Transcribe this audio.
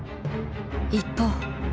一方。